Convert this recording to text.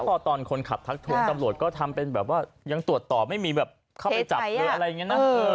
พอตอนคนขับทักทวงตำรวจก็ทำเป็นแบบว่ายังตรวจต่อไม่มีแบบเข้าไปจับหรืออะไรอย่างนี้นะ